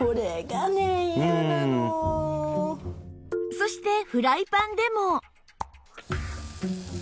そしてフライパンでも